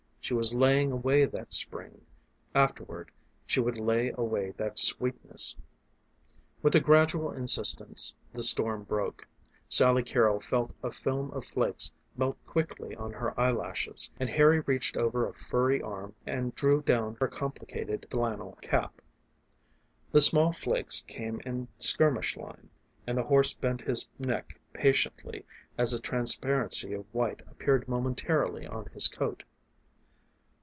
She was laying away that spring afterward she would lay away that sweetness. With a gradual insistence the storm broke. Sally Carrol felt a film of flakes melt quickly on her eyelashes, and Harry reached over a furry arm and drew down her complicated flannel cap. Then the small flakes came in skirmish line, and the horse bent his neck patiently as a transparency of white appeared momentarily on his coat.